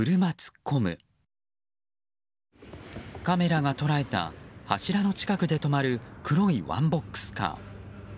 カメラが捉えた柱の近くで止まる黒いワンボックスカー。